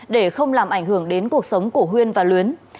để không làm ảnh hưởng đến cuộc sống của huyên và luyến